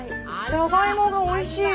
じゃがいもがおいしい。